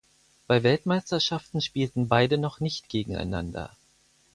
Bei Weltmeisterschaften spielten beide noch nicht gegeneinander.